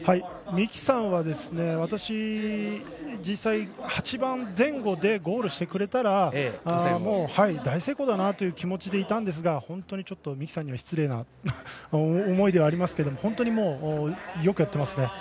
三木さんは、私実際８番前後でゴールしてくれたらもう大成功だなという気持ちでいたんですが、本当にちょっと三木さんには失礼な思いではありますけども本当によくやってますね。